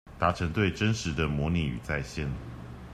達成對真實的模擬與再現